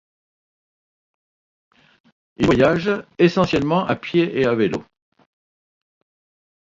Il voyage essentiellement à pied et à vélo.